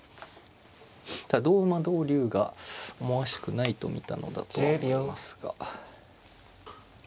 同馬同竜が思わしくないと見たのだとは思いますが。